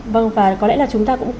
vâng và có lẽ là chúng ta cũng